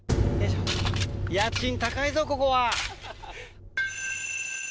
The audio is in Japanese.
家賃高いぞ、ここは。